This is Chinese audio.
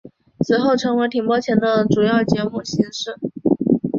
此后成为停播前的主要节目形式。